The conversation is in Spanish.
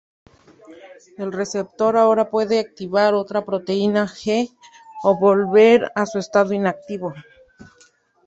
El receptor ahora puede activar otra proteína G o volver a su estado inactivo.